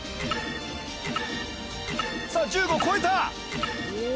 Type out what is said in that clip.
さあ１５超えた